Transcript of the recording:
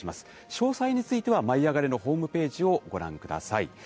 詳細については舞いあがれ！のホームページをご覧ください。